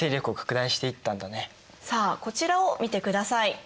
さあこちらを見てください。